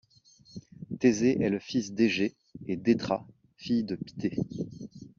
Thésée est le fils d'Égée et d'Éthra, fille de Pitthée.